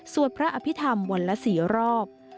สวดพระอภิษฐรรมวันละ๔รอบ